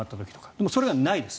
でも、それがないです。